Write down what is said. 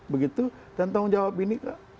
begitu dan tanggung jawab ini